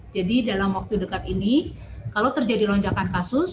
dalam waktu dekat ini kalau terjadi lonjakan kasus